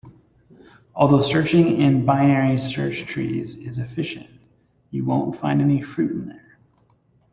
Although searching in binary search trees is efficient, you won't find any fruit in there.